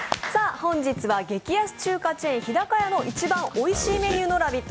本日は激安中華チェーン、日高屋の一番おいしいメニューのラヴィット！